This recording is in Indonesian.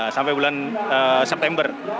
sampai bulan september